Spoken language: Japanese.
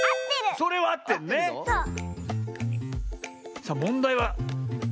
さあもんだいは。